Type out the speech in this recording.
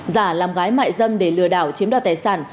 giả làm gái mại dâm để lừa đảo chiếm đoạt tài sản